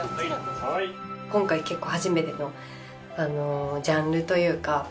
今回結構初めてのジャンルというか。